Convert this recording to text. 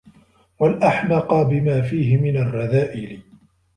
وَالْأَحْمَقَ بِمَا فِيهِ مِنْ الرَّذَائِلِ